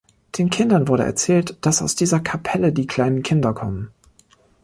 Den Kindern wurde erzählt, dass aus dieser Kapelle die kleinen Kinder kommen.